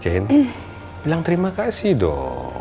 bilang terima kasih dong